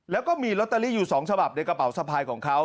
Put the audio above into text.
แล้วก็มีลอตเตอรี่อยู่๒ฉบับในกระเป๋าสะพายของเขา